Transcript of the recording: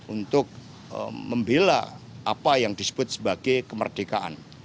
untuk membela apa yang disebut sebagai kemerdekaan